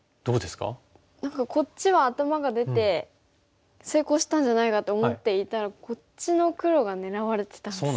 何かこっちは頭が出て成功したんじゃないかと思っていたらこっちの黒が狙われてたんですね。